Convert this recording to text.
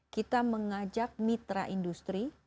kita mengajak mitra industri